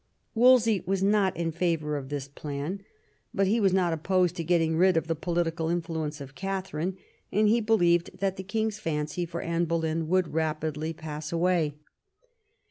Wolsey was not in favour of this plan ; but he was not opposed to getting rid of the political influence of Katharine, and he believed that the king's fancy for Anne Boleyn would rapidly pass away.